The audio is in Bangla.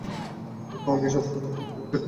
দেখো, আমি এইসব ফাঁকা হুমকিতে ভয় পাই না।